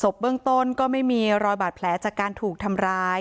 เบื้องต้นก็ไม่มีรอยบาดแผลจากการถูกทำร้าย